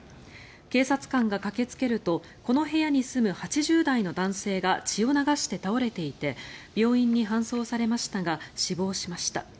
警察官が駆けつけるとこの部屋に住む８０代の男性が血を流して倒れていて病院に搬送されましたが死亡しました。